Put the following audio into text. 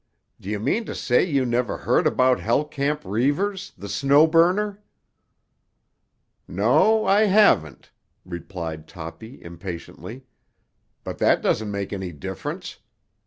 "D'you mean to say you never heard about Hell Camp Reivers, the Snow Burner?" "No, I haven't," replied Toppy impatiently. "But that doesn't make any difference.